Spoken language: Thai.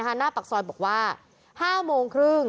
หน้าปากซอยบอกว่า๕โมงครึ่ง